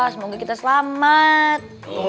semoga kita selamat